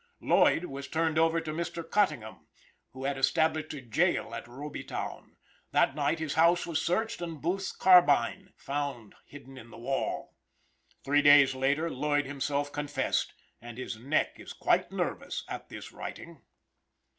Lloyd was turned over to Mr. Cottingham, who had established a jail at Robytown; that night his house was searched, and Booth's carbine found hidden in the wall. Three days afterward, Lloyd himself confessed and his neck is quite nervous at this writing.